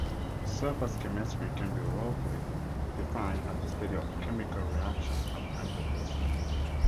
Surface chemistry can be roughly defined as the study of chemical reactions at interfaces.